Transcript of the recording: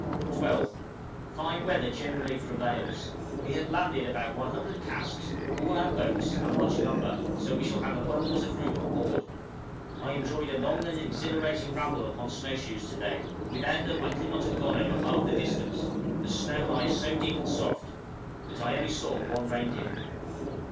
12th. Fine weather generally prevails. We have landed about 100 casks, all our boats, and much lumber, so we shall have abundance of room on board. I enjoyed a long and exhilarating ramble upon snow shoes to day; without them I could not have gone over half the distance the snow lies so deep and soft but I only saw one reindeer.